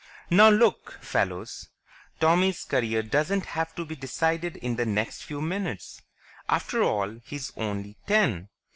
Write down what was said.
"Now look, fellows. Tommy's career doesn't have to be decided in the next five minutes ... after all, he's only ten.